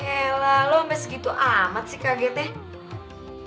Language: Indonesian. yelah lo ampe segitu amat sih kagetnya